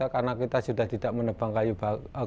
karena kita sudah tidak menebang kayu bakar